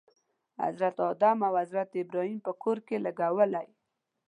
حضرت آدم او حضرت ابراهیم په کور کې لګولی.